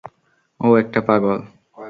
ও একটা পাগল।